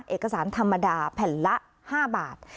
เอกสารธรรมดาแผ่นละ๕บาท